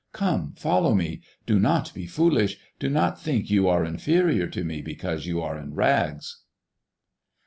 Come, follow me! Do not be foolish; do not think you are inferior to me because you are in rags."